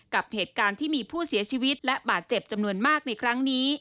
กับเหตุการณ์ที่มีผู้เสียชีวิตและบาดเจ็บจำนวนมากในครั้งนี้